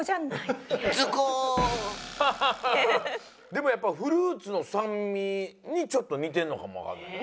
でもやっぱフルーツの酸味にちょっとにてんのかもわかんない。